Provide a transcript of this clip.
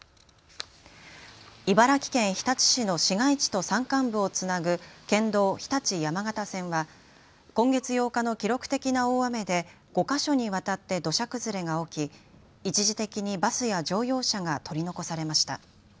茨城県日立市の市街地と山間部をつなぐ県道日立山方線は今月８日の記録的な大雨で５か所にわたって土砂崩れが起き一時的にバスや乗用車が取り残されました。